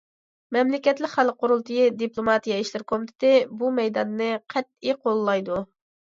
مەملىكەتلىك خەلق قۇرۇلتىيى دىپلوماتىيە ئىشلىرى كومىتېتى بۇ مەيداننى قەتئىي قوللايدۇ.